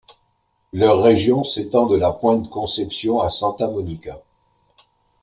Leur région s'étend de la pointe Conception à Santa Monica.